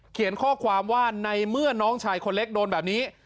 เขียนข้อความว่าในเมื่อน้องชายคนเล็กโดนแบบนี้